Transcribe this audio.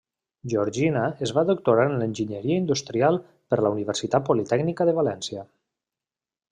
Georgina es va doctorar en Enginyeria Industrial per la Universitat Politècnica de València.